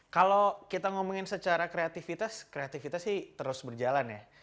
kalau kita ngomongin secara kreativitas kreativitas sih terus berjalan ya